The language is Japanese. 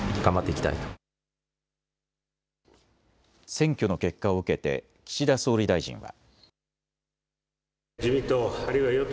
選挙の結果を受けて岸田総理大臣は。